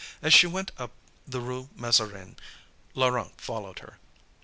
As she went up the Rue Mazarine, Laurent followed her.